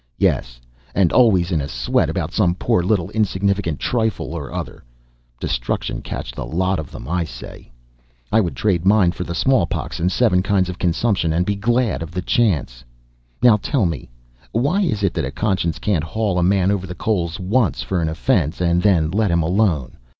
Yes; and always in a sweat about some poor little insignificant trifle or other destruction catch the lot of them, I say! I would trade mine for the smallpox and seven kinds of consumption, and be glad of the chance. Now tell me, why is it that a conscience can't haul a man over the coals once, for an offense, and then let him alone?